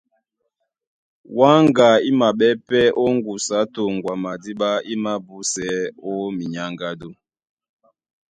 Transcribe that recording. Wáŋga í maɓɛ́ pɛ́ ó ŋgusu á toŋgo a madíɓá í mābúsɛɛ́ ó minyáŋgádú.